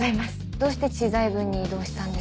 どうして知財部に異動したんですか？